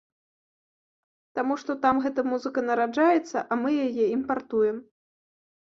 Таму што там гэта музыка нараджаецца, а мы яе імпартуем.